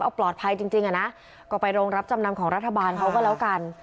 เอาปลอดภัยจริงอ่ะนะก็ไปโรงรับจำนำของรัฐบาลเขาก็แล้วกัน